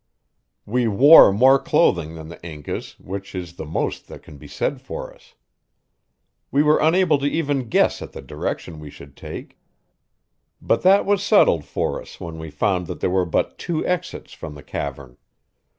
We wore more clothing than the Incas, which is the most that can be said for us. We were unable to even guess at the direction we should take; but that was settled for us when we found that there were but two exits from the cavern.